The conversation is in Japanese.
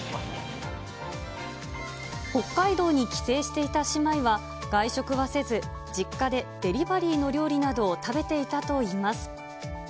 北海道に帰省していた姉妹は、外食はせず、実家でデリバリーの料理などを食べていたといいます。